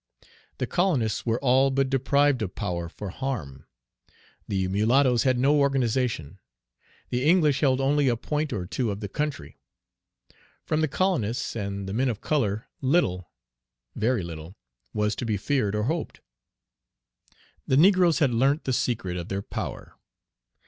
The colonists were all but deprived of power for harm. The mulattoes had no organization. The English held only a point or two of the country. From the colonists and the men of color little, very little, was to be feared or hoped. The negroes had learnt the secret of their power.